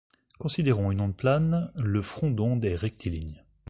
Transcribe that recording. Considérons une onde plane, le front d'onde est rectiligne.